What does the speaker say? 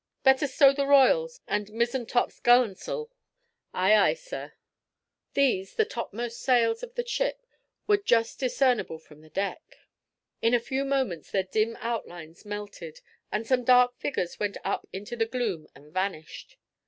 "Better stow the royals and mizzentop gall'ns'l." "Ay, ay, sir." These, the topmost sails of the ship, were just discernible from the deck. In a few moments their dim outlines melted, and some dark figures went up into the gloom and vanished.